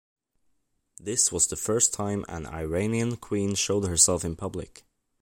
This was the first time an Iranian queen showed herself in public.